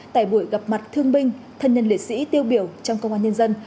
tại buổi gặp mặt thương binh thân nhân liệt sĩ tiêu biểu trong công an nhân dân